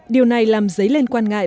điều này làm giấy lên quan ngại